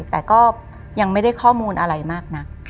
แต่ก็ยังไม่ได้ข้อมูลอะไรมากนัก